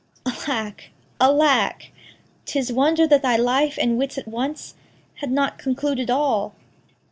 Alack, alack! 'Tis wonder that thy life and wits at once Had not concluded all.